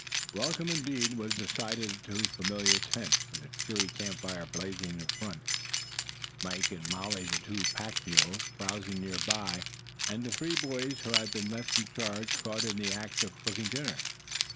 Welcome indeed, was the sight of the two familiar tents, with a cheery camp fire blazing in front; Mike and Molly, the two pack mules, browsing near by, and the three boys who had been left in charge caught in the act of cooking dinner.